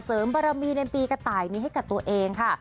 บารมีในปีกระต่ายนี้ให้กับตัวเองค่ะ